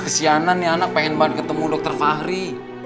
kesianan ya anak pengen banget ketemu dokter fahri